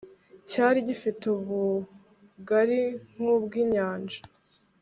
cyari gifite ubugari nk'ubw'inyanja